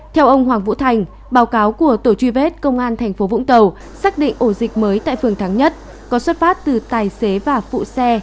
theo ông hoàng vũ thành báo cáo của tổ truy vết công an tp vũng tàu xác định ổ dịch mới tại phường thắng nhất có xuất phát từ tài xế và phụ xe